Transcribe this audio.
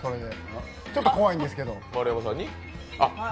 ちょっと怖いんですけど。